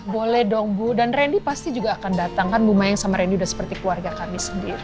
boleh dong bu dan randy pasti juga akan datang kan bu mayang sama randy udah seperti keluarga kami sendiri